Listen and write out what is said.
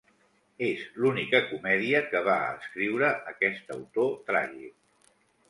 És l'única comèdia que va escriure aquest autor tràgic.